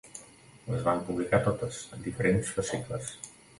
Les van publicar totes, en diferents fascicles.